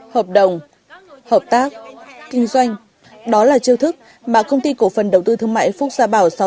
hợp đồng hợp tác kinh doanh đó là chiêu thức mà công ty cổ phần đầu tư thương mại phúc gia bảo sáu